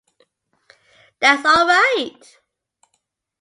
That's all right!